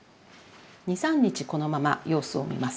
２３日このまま様子を見ます。